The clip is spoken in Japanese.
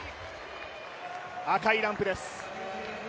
赤いランプです。